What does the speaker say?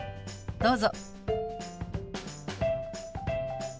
どうぞ。